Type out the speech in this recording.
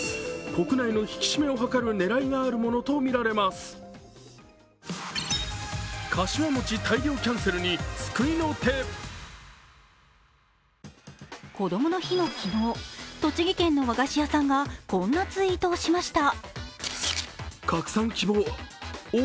こどもの日の昨日、栃木県の和菓子屋さんがこんなツイートをしました。